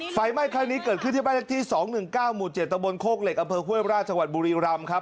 ไฟไหม้แค่นี้เกิดขึ้นที่แม่แรกที่๒๑๙หมู่๗ตะวนโคกเหล็กอำเภอฮ่วยบรรลาชจังหวัดบุรีรำครับ